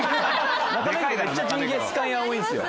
めっちゃジンギスカン屋多いんですよ。